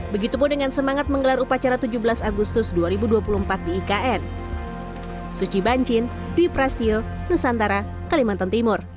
begitupun dengan semangat menggelar upacara tujuh belas agustus dua ribu dua puluh empat di ikn